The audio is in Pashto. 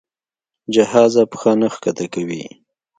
جهازه پښه نه ښکته کوي.